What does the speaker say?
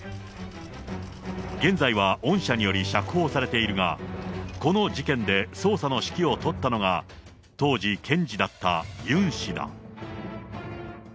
現在は恩赦により釈放されているが、この事件で捜査の指揮を執ったのが当時検事だったユン氏だ。